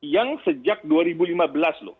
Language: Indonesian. yang sejak dua ribu lima belas loh